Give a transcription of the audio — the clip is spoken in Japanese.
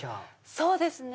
そうですね